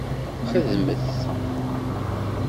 Xedmet!